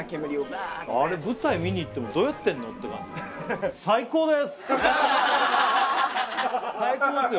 あれ舞台見に行ってもどうやってんの？って感じ最高ですよ